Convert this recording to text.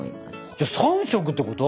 じゃあ３色ってこと？